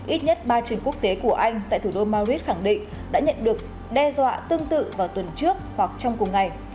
ít nhất ba trường quốc tế của anh tại thủ đô maurit khẳng định đã nhận được đe dọa tương tự vào tuần trước hoặc trong cùng ngày